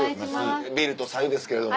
ビールとさゆですけれども。